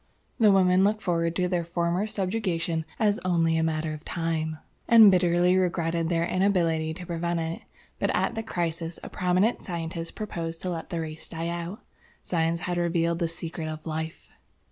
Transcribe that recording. The women looked forward to their former subjugation as only a matter of time, and bitterly regretted their inability to prevent it. But at the crisis, a prominent scientist proposed to let the race die out. Science had revealed the Secret of Life."